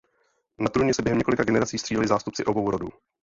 Na trůně se během několik generací střídali zástupci obou rodů.